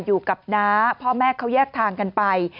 อยู่กับน้าพ่อแม่เขาแยกทางกันไป